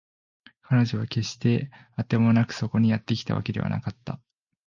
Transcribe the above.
彼女は決してあてもなくそこにやってきたわけではなかった